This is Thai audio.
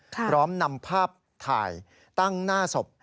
พร้อมนำภาพถ่ายตั้งหน้าศพ